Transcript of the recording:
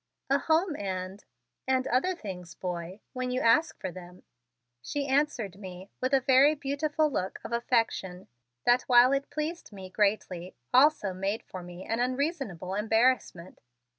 "A home and and other things, boy when you ask for them," she answered me with a very beautiful look of affection that while it pleased me greatly also made for me an unreasonable embarrassment.